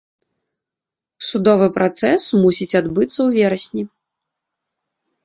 Судовы працэс мусіць адбыцца ў верасні.